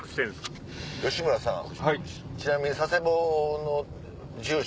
吉村さんちなみに佐世保の住所